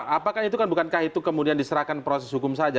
apakah itu kan bukankah itu kemudian diserahkan proses hukum saja